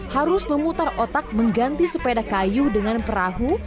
harus memutar otak mengganti sepeda kayu dengan perahu